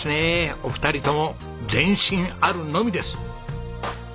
お二人とも前進あるのみです。